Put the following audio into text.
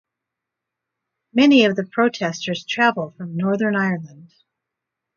Many of the protestors travel from Northern Ireland.